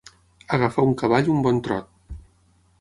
Agafar un cavall un bon trot.